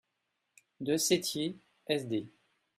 de Sétier, s.d.